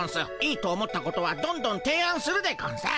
いいと思ったことはどんどんていあんするでゴンス。